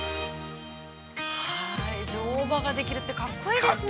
◆乗馬ができるって格好いいですね。